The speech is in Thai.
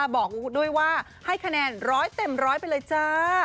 บอกด้วยว่าให้คะแนนร้อยเต็มร้อยไปเลยจ้า